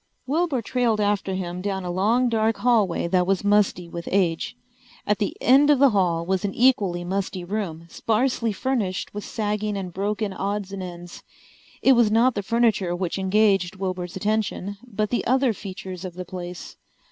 Wilbur trailed after him down a long dark hallway that was musty with age. At the end of the hall was an equally musty room, sparsely furnished with sagging and broken odds and ends. It was not the furniture which engaged Wilbur's attention, but the other features of the place.